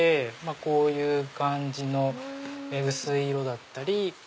こういう感じの薄い色だったり。